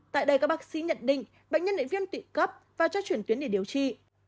tại đây các bác sĩ nhận định bệnh nhân bị viêm bị cấp và cho chuyển tuyến để điều trị